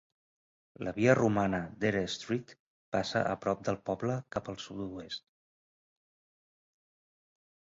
La via romana Dere Street passa a prop del poble cap al sud-oest.